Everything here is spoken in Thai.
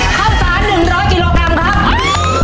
เข้าสารหนึ่งร้อยกิโลกรัมครับ